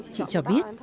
chị cho biết